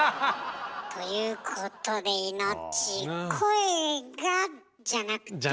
ということでイノッチ「声が」じゃなくて。